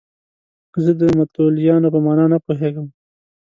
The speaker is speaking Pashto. زه د متولیانو په معنی نه پوهېدم.